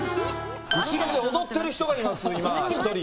後ろで踊ってる人がいます、１人。